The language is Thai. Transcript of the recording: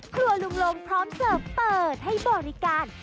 ครัวลุงลงพร้อมเสิร์ฟเปิดให้บริการ